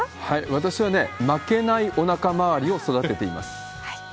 私はね、負けないおなか周りを育てています。